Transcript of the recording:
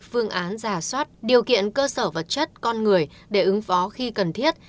phương án giả soát điều kiện cơ sở vật chất con người để ứng phó khi cần thiết